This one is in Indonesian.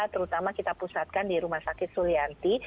terutama kita pusatkan di rumah sakit sulianti